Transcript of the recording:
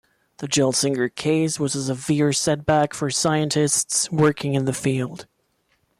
The Gelsinger case was a severe setback for scientists working in the field.